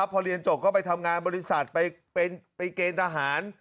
พอเรียนจบก็ไปทำงานบริษัทไปเกณฑ์ทหาร